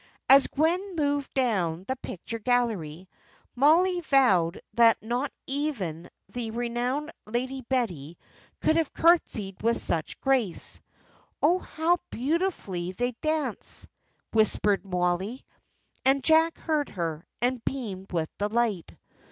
As Gwen moved down the picture gallery, Mollie vowed that not even the renowned Lady Betty could have curtsied with such grace. "Oh, how beautifully she dances!" whispered Mollie; and Jack heard her, and beamed with delight.